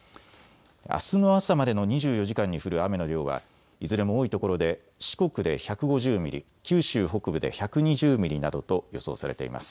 あすの朝までの２４時間に降る雨の量はいずれも多い所で四国で１５０ミリ、九州北部で１２０ミリなどと予想されています。